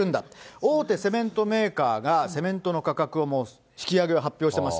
大手セメントメーカーが、セメントの価格を引き上げを発表しています。